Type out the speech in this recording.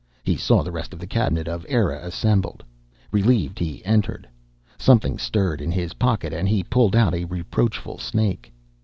He saw the rest of the cabinet of Eire assembled. Relieved, he entered. Something stirred in his pocket and he pulled out a reproachful snake.